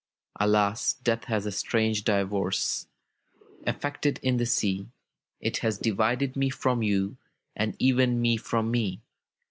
''Alas! death has a strange divorce Effected in the sea. It has divided me from you, And even me from me!